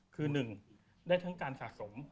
คือหนึ่งได้ขึ้นการสะสม